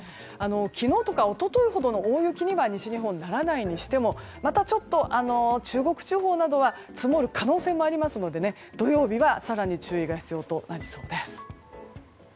昨日とか一昨日ほどの大雪には西日本、ならないとしてもまたちょっと中国地方などは積もる可能性もありますので土曜日は更に注意が必要となりそうです。